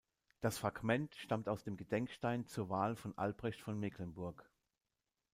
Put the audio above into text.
Das Fragment stammt aus dem Gedenkstein zur Wahl von Albrecht von Mecklenburg.